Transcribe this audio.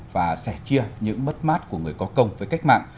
và sẻ chia những mất mát của người có công với cách mạng